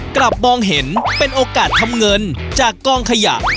กลับมองเห็นเป็นโอกาสทำเงินจากกองขยะ